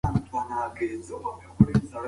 هغه د ډاډ او ارامۍ یوه ژوندۍ سرچینه ده.